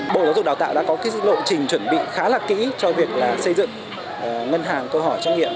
bộ giáo dục đào tạo đã có cái lộ trình chuẩn bị khá là kỹ cho việc xây dựng ngân hàng câu hỏi trách nghiệm